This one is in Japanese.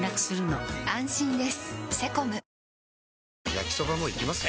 焼きソバもいきます？